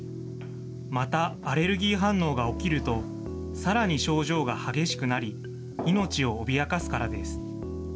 またアレルギー反応が起きると、さらに症状が激しくなり、命を脅かすからです。